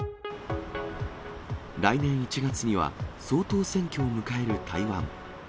来年１月には総統選挙を迎える台湾。